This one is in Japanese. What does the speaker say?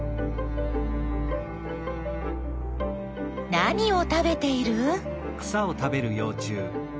何を食べている？